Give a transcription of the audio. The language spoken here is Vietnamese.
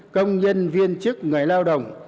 công nhân viên chức người lao động